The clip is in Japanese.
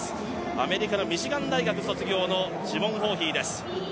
アメリカのミシガン大学卒業のシボン・ホーヒーです。